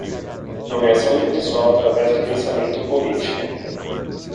Nomeação de pessoal através do pensamento político